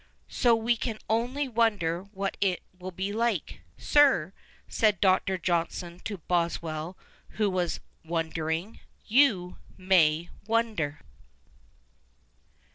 So we can only wonder what it will be like. " Sir," said Dr. Johnson to Boswcll who was " wondering," " you may wonder."